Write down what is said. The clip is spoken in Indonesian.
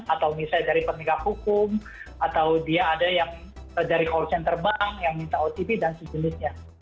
atau misalnya dari penegak hukum atau dia ada yang dari call center bank yang minta otp dan sejenisnya